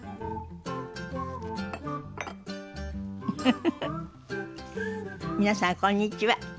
フフフフ皆さんこんにちは。